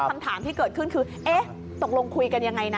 คำถามที่เกิดขึ้นคือตกลงคุยกันอย่างไรนะ